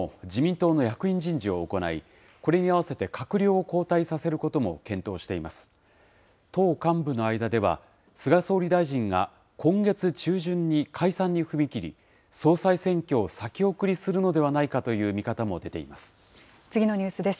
党幹部の間では、菅総理大臣が今月中旬に解散に踏み切り、総裁選挙を先送りするのではないかという見方も出ています。